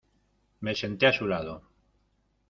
Me senté a su lado.